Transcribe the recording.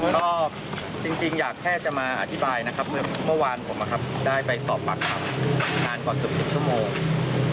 ก็จริงอยากแค่จะมาอธิบายนะครับเหมือนเมื่อวานผมได้ไปสอบปากคำนานกว่าเกือบ๑๐ชั่วโมง